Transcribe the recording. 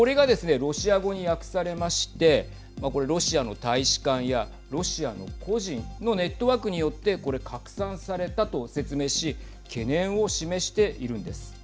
ロシア語に訳されましてこれロシアの大使館やロシアの個人のネットワークによってこれ拡散されたと説明し懸念を示しているんです。